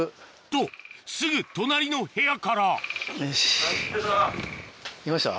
とすぐ隣の部屋からいました？